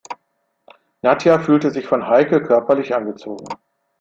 Nadja fühlte sich von Heike körperlich angezogen.